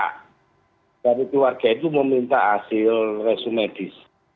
keluarga itu meminta hasil resum medis